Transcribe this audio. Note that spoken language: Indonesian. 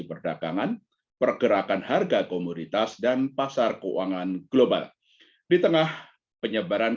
perdagangan pergerakan harga komoditas dan pasar keuangan global di tengah penyebaran